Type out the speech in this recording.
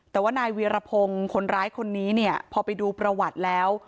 แต่ว่านายเวียรพงศ์คนร้ายคนนี้เนี่ยพอไปดูประวัติแล้ว